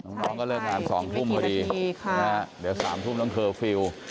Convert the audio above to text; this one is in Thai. น้องก็เลิกงาน๒ทุ่มพอดีค่ะเดี๋ยว๓ทุ่มต้องเคอร์ฟิลล์